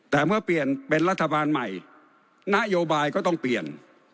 แต่เมื่อเปลี่ยนเป็นรัฐบาลใหม่นโยบายก็ต้องเปลี่ยน